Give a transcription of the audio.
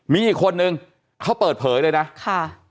มีอีกคนนึงเขาเปิดเผยเลยนะค่ะ